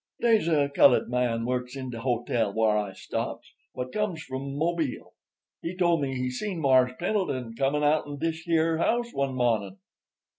"Dey's a cullud man works in de hotel whar I stops, what comes from Mobile. He told me he seen Mars' Pendleton comin' outen dish here house one mawnin'.